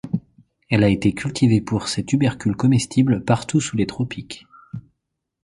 Elle a été cultivée pour ses tubercules comestibles partout sous les tropiques.